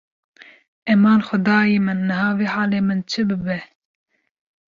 Eman, Xwedayê min! Niha wê halê min çi bibe?